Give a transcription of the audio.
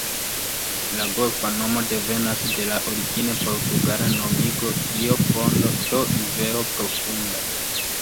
La golfa nomo devenas de la origine portugala nomigo "Rio Fondo", do "rivero profunda".